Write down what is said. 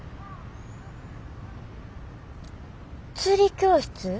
釣り教室？